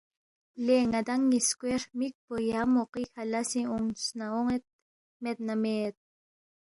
”لے ن٘دانگ نِ٘یسکوے ہرمِک پو یا موقعی کھہ لسِنگ اونگس نہ اون٘ید مید نہ مید